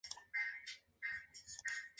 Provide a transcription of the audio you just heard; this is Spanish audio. Emily Kai Bock lo dirigió.